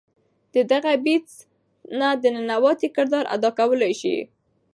د دغه “Beast” نه د ننواتې کردار ادا کولے شي